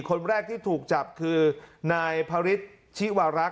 คนแรกที่ถูกจับคือนายพระฤทธิวารักษ